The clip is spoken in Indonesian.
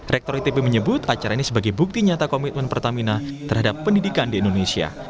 rektor itb menyebut acara ini sebagai bukti nyata komitmen pertamina terhadap pendidikan di indonesia